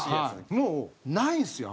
もうないんですよ